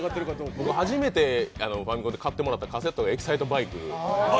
初めて買ってもらったカセットが「エキサイトバイク」。